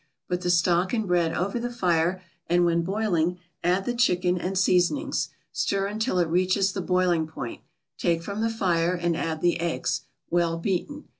Put the stock and bread over the fire, and, when boiling, add the chicken and seasonings, stir until it reaches the boiling point, take from the fire, and add the eggs, well beaten.